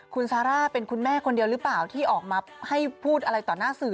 คุณซาร่าเป็นคุณแม่คนเดียวหรือเปล่าที่ออกมาให้พูดอะไรต่อหน้าสื่อ